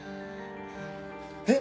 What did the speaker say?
えっ！